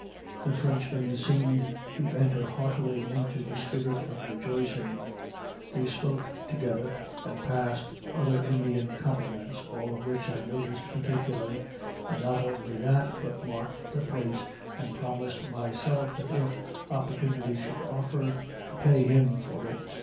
The Frenchman seemed to enter heartily into the spirit of rejoicing. They smoked together, and passed other Indian compliments, all of which I noticed particularly; and not only that, but marked the place, and promised myself that if opportunity should offer, to pay him for it.